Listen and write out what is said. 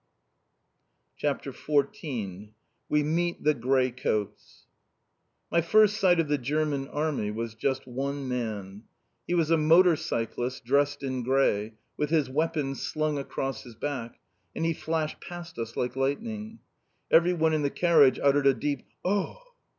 CHAPTER XIV WE MEET THE GREY COATS My first sight of the German Army was just one, man. He was a motor cyclist dressed in grey, with his weapons slung across his back, and he flashed past us like lightning. Everyone in the carriage uttered a deep "Oh!"